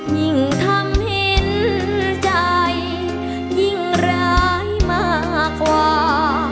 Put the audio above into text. ยิ่งทำเห็นใจยิ่งร้ายมากกว่า